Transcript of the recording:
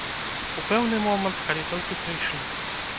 У пэўны момант, калі толькі прыйшлі.